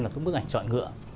là cái bức ảnh chọn ngựa